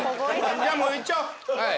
じゃあもう言っちゃおうはい。